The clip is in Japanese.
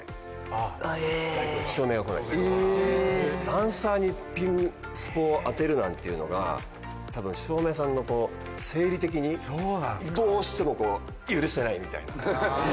ダンサーにピンスポを当てるなんていうのが多分照明さんの生理的にどうしても許せないみたいな。